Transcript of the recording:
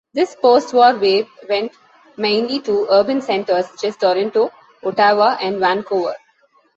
This post-war wave went mainly to urban centres such as Toronto, Ottawa, and Vancouver.